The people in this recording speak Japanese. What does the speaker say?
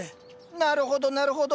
なるほどなるほど。